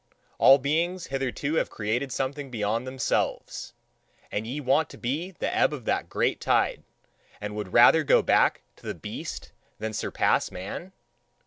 All beings hitherto have created something beyond themselves: and ye want to be the ebb of that great tide, and would rather go back to the beast than surpass man?